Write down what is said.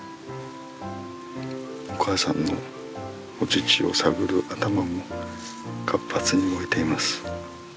お母さんのお乳を探る頭も活発に動いています。